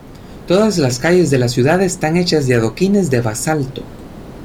Todas las calles de la ciudad están hechas de adoquines de basalto.